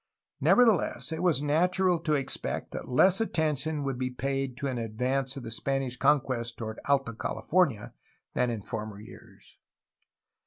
Nevertheless, it was natural to expect that less attention would be paid to an advance of the Spanish conquest toward Alta California than in former years.